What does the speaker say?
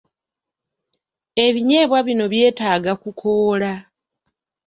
Ebinyeebwa bino byetaaga kukoola.